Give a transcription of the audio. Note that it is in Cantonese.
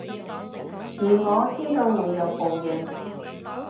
而我知道會有報應